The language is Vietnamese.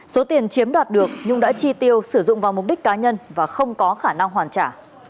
số tiền chiếm đoạt được nhung đã chi tiêu sử dụng vào mục đích cá nhân và không có khả năng hoàn trả